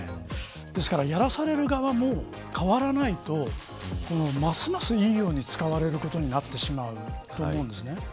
ですからやらされる側も変わらないとますます、いいように使われることになってしまうんです。